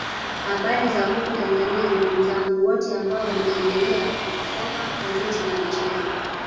Habari za huko Tanzania ndugu zangu wote ambao mnaendelea kulisoma gazeti la michezo